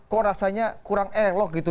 kok rasanya kurang elok gitu